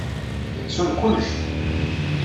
Ttun kullec.